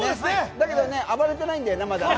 だけど暴れてないんだよね、まだ。